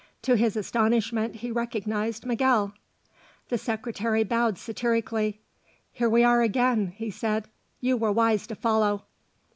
To his astonishment he recognised Miguel. The Secretary bowed satirically. "Here we are again," he said; "you were wise to follow."